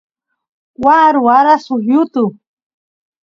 waa ruwara suk yutu